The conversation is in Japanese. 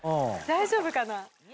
大丈夫かな？